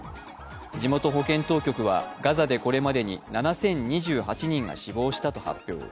地元保健当局はガザでこれまでに７０２８人が死亡したと発表。